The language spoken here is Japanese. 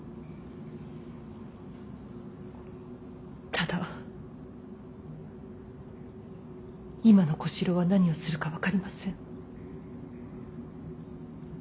ただ今の小四郎は何をするか分かりません。